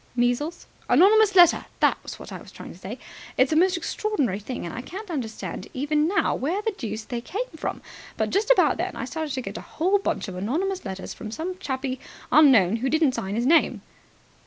"Measles?" "Anonymous letter. That's what I was trying to say. It's a most extraordinary thing, and I can't understand even now where the deuce they came from, but just about then I started to get a whole bunch of anonymous letters from some chappie unknown who didn't sign his name."